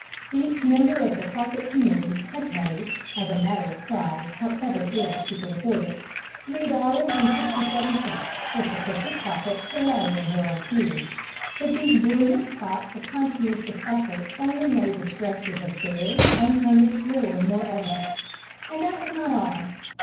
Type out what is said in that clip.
Each member of the carpet committee had paid (as a matter of pride, however ill she could afford it) three dollars and sixty seven cents for sufficient carpet to lay in her own pew; but these brilliant spots of conscientious effort only made the stretches of bare, unpainted floor more evident. And that was not all.